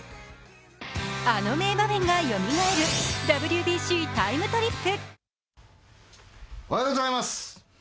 あの名場面がよみがえる「ＷＢＣＴＩＭＥ，トリップ」。